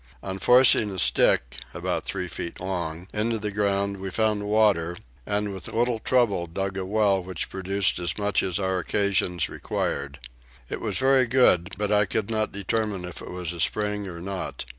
On forcing a stick, about three feet long, into the ground we found water, and with little trouble dug a well which produced as much as our occasions required. It was very good, but I could not determine if it was a spring or not.